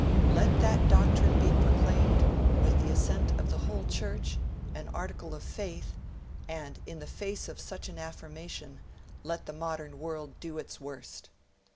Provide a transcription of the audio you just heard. Let that doctrine be proclaimed, with the assent of the whole Church, an article of faith, and, in the face of such an affirmation, let the modern world do its worst!